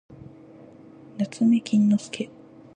なつめきんのすけ